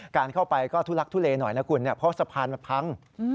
การเข้าไปก็ทุลักทุเลหน่อยนะคุณเพราะสะพานมันพัง